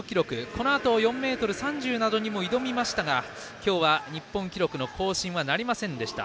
このあと４ｍ３０などにも挑みましたが今日は日本記録更新はなりませんでした。